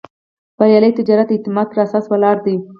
بریالی تجارت د اعتماد پر اساس ولاړ دی.